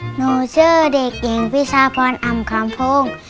หนูเชื่อเด็กเย็งพิชาพรอำคัมพงศ์